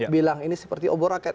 bilang ini seperti obor rakyat